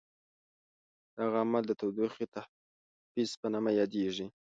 دغه عمل د تودوخې تحفظ په نامه یادیږي.